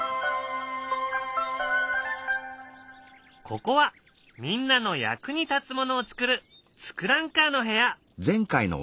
ここはみんなの役に立つものをつくる「ツクランカー」の部屋。